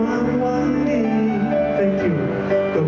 มากกันไปกับคุณค่ะ